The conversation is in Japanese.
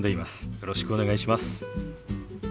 よろしくお願いします。